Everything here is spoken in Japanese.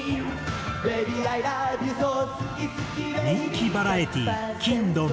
人気バラエティー『欽ドン！